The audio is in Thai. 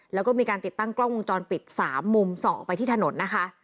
แล้วก็มีการติดตั้งกล้องวงจรปิด๓มุมส่องไปที่ถนนนะคะ